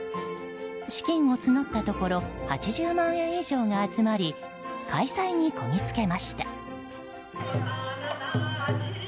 資金を募ったところ８０万円以上が集まり開催にこぎつけました。